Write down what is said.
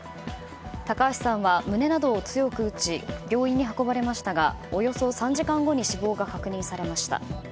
高橋さんは胸などを強く打ち病院に運ばれましたがおよそ３時間後に死亡が確認されました。